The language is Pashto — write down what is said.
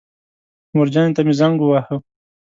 مورجانې ته مې زنګ وواهه.